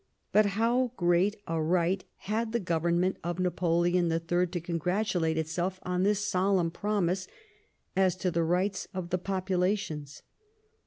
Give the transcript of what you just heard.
And how great a right had the Govern ment of Napoleon III to congratulate itself on this solemn promise as to the rights of the popu lations